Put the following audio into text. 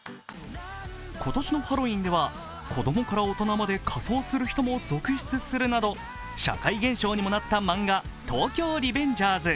今年のハロウィーンでは子供から大人まで仮装する人が続出するなど社会現象にもなった漫画「東京リベンジャーズ」。